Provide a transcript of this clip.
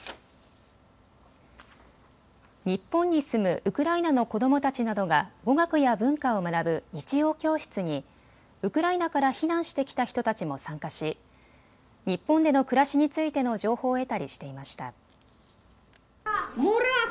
日本に住むウクライナの子どもたちなどが語学や文化を学ぶ日曜教室にウクライナから避難してきた人たちも参加し日本での暮らしについての情報を得たりしていました。